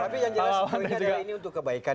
tapi yang jelas ini untuk kebaikan